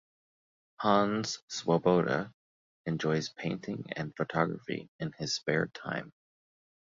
Hannes Swoboda enjoys painting and photography in his spare time.